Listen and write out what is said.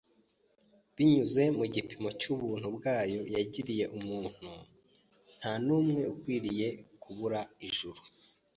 Binyuze mu gipimo cy’ubuntu bwayo yagiriye umuntu, nta n’umwe ukwiriye kubura ijuru.